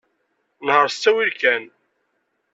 Nheṛ s ttawil kan.